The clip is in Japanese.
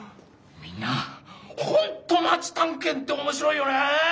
みんなほんとマチたんけんっておもしろいよね！